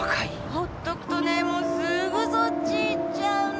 ほっとくとねもうすぐそっち行っちゃうの。